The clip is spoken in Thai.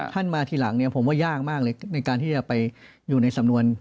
มาทีหลังเนี่ยผมว่ายากมากเลยในการที่จะไปอยู่ในสำนวน